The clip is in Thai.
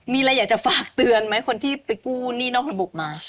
มีอะไรอยากจะฝากเตือนไหมคนที่ไปกู้หนี้นอกระบบมา